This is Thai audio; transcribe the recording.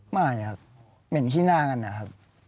ไม่ครับเหม็นขี้หน้ากันนะครับ